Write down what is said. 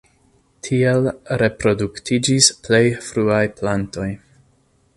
Tiel reproduktiĝis plej fruaj plantoj.